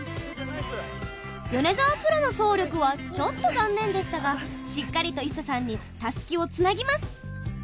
米澤プロの走力はちょっと残念でしたがしっかりとＩＳＳＡさんにたすきをつなぎます。